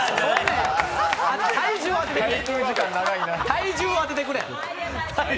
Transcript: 体重を当ててくれ。